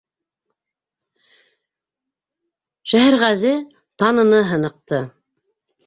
Шәһәрғәзе таныны һыныҡты.